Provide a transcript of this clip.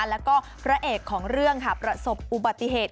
แล้วก็พระเอกของเรื่องค่ะประสบอุบัติเหตุ